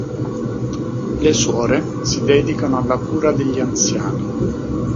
Le suore si dedicano alla cura degli anziani.